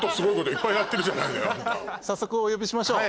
早速お呼びしましょう。